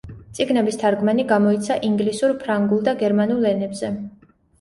წიგნების თარგმანი გამოიცა ინგლისურ, ფრანგულ და გერმანულ ენებზე.